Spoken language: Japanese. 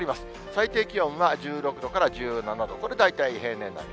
最低気温は１６度から１７度、これ、大体平年並み。